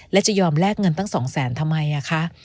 และจะยอมแลกเงินตั้ง๒แสนทำไมคะ